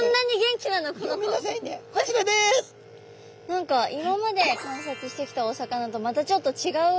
何か今まで観察してきたお魚とまたちょっと違うお顔つきですね。